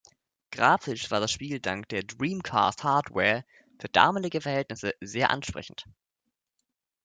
Grafisch war das Spiel dank der Dreamcast-Hardware für damalige Verhältnisse sehr ansprechend.